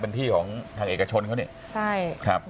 เป็นที่ของทางเอกชนเขานี่ใช่ครับ